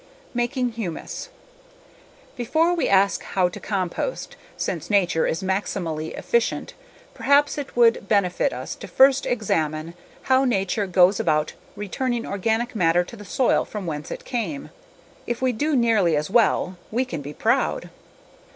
Making Humus Before we ask how to compost, since nature is maximally efficient perhaps it would benefit us to first examine how nature goes about returning organic matter to the soil from whence it came. If we do nearly as well, we can be proud.